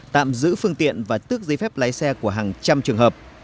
tạm giữ phương tiện và tước giấy phép lái xe của hàng trăm trường hợp